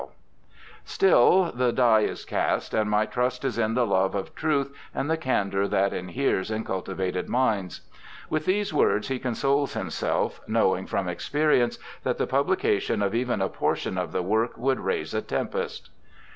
' Munk, Roll oj llie College, vol. i, p. 132. HARVEY 319 ' Still the die is cast, and my trust is in the love of truth and the candour that inheres in cultivated minds.' With these words he consoles himself, knowing from experience that the publication of even a portion of the work would raise a tempest.